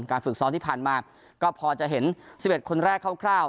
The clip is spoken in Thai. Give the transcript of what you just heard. การฝึกซ้อนที่ผ่านมาก็พอจะเห็นสิบเอ็ดคนแรกคร่าวคร่าว